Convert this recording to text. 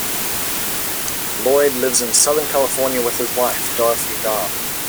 Lloyd lives in Southern California with his wife, Dorothy Darr.